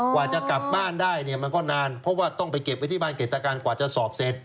กว่าจะกลับบ้านได้เนี่ยมันก็นานเพราะว่าต้องไปเก็บไว้ที่บ้านเกิดการกว่าจะสอบเสร็จ